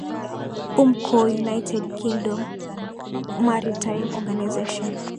umkco united kingdom maritime organization